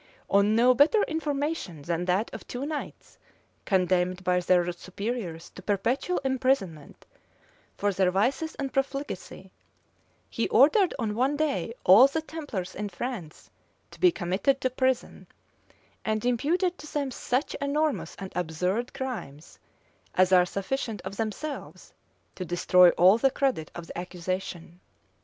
On no better information than that of two knights, condemned by their superiors to perpetual imprisonment for their vices and profligacy, he ordered on one day all the templars in France to be committed to prison, and imputed to them such enormous and absurd crimes as are sufficient of themselves to destroy all the credit of the accusation.